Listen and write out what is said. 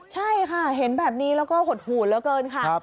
ใช่ค่ะเห็นแบบนี้แล้วก็หดหูเหลือเกินค่ะ